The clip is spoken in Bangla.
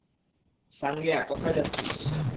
সাঙ্গেয়া, কোথায় যাচ্ছিস?